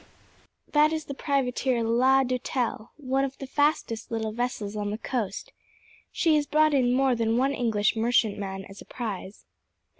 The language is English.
"That is the privateer La Doutelle, one of the fastest little vessels on the coast. She has brought in more than one English merchantman as a prize."